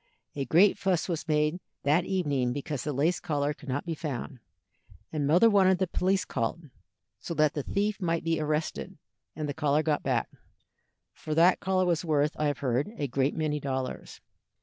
A great fuss was made that evening because the lace collar could not be found, and mother wanted the police called, so that the thief might be arrested and the collar got back, for that collar was worth, I have heard, a great many dollars.